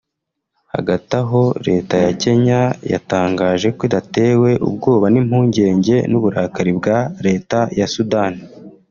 Hagati aho Leta ya Kenya yatangaje ko idatewe ubwoba n’impungenge n’uburakari bwa Leta ya Sudani